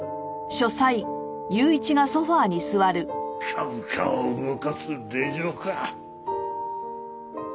株価を動かす令嬢か。